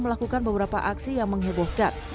melakukan beberapa aksi yang menghebohkan